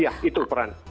iya itu peran